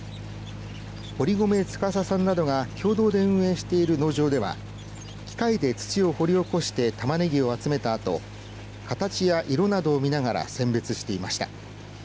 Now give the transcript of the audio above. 堀篭司さんなどが共同で運営している農場では機械で土を掘り起こしてタマネギを集めたあと形や色などを見ながら選別していました。